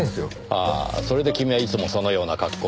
ああそれで君はいつもそのような格好を？